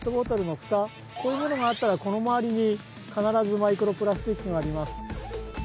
こういうものがあったらこのまわりにかならずマイクロプラスチックがあります。